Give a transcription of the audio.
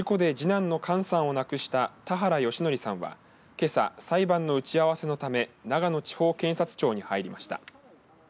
遺族会の代表で事故で次男のかんさんを亡くした田原義則さんは、けさ裁判の打ち合わせのため長野地方検察庁に入りました。